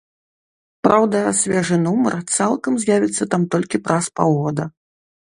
Праўда, свежы нумар цалкам з'явіцца там толькі праз паўгода.